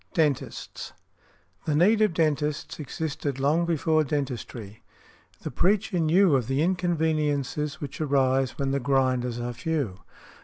DENTISTS. The need of dentists existed long before dentistry. The Preacher knew of the inconveniences which arise when the grinders are few.